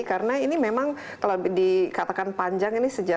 karena ini memang kalau dikatakan panjang ini sering terjadi